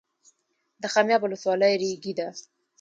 د خمیاب ولسوالۍ ریګي ده